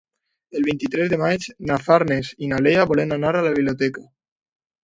El vint-i-tres de maig na Farners i na Lea volen anar a la biblioteca.